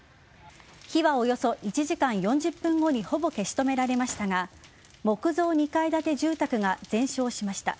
火はおよそ１時間４０分後にほぼ消し止められましたが木造２階建て住宅が全焼しました。